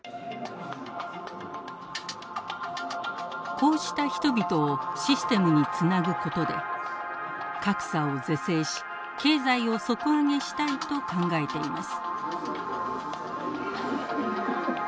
こうした人々をシステムにつなぐことで格差を是正し経済を底上げしたいと考えています。